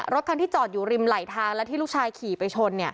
รถคันที่จอดอยู่ริมไหลทางและที่ลูกชายขี่ไปชน